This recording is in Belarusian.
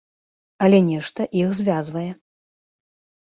Але нешта іх звязвае.